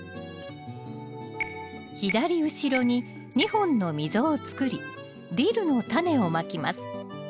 左後ろに２本の溝を作りディルのタネをまきます。